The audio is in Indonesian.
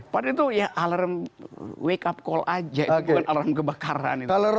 padahal itu ya alarm wake up call aja itu bukan alarm kebakaran itu